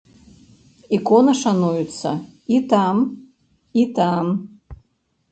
Ікона шануецца і там, і там.